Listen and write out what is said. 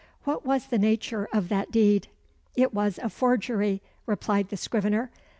What was the nature of that deed?" "It was a forgery," replied the scrivener.